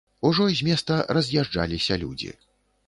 Ужо з места раз'язджаліся людзі.